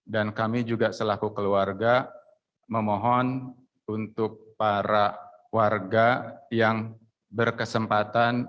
dan kami juga selaku keluarga memohon untuk para warga yang berkesempatan